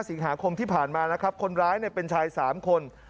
สิงหาคมที่ผ่านมานะครับคนร้ายเป็นชาย๓คน